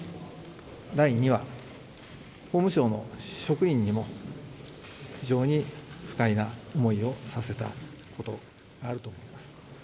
第２は、法務省の職員にも非常に不快な思いをさせたことがあると思います。